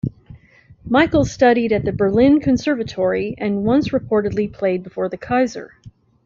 Michael studied at the Berlin Conservatory and once reportedly played before the Kaiser.